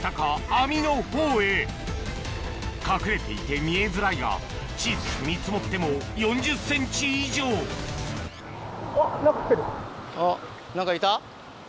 網の方へ隠れていて見えづらいが小さく見積もっても４０ｃｍ以上あっ何かいた？